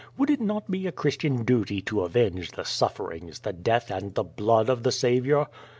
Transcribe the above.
Would it not be a Christian duty to avenge the sufferings, the death and the blood of the Saviour?"